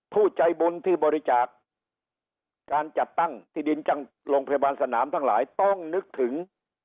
ผู้ใจบุญที่บริจาคการจัดตั้งที่ดินจังโรงพยาบาลสนามทั้งหลายต้องนึกถึง